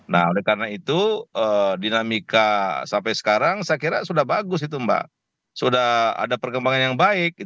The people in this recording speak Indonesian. nah oleh karena itu dinamika sampai sekarang saya kira sudah bagus itu mbak sudah ada perkembangan yang baik